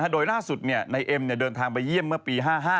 โดยล่าสุดนายเอ็มเดินทางไปเยี่ยมเมื่อปี๕๕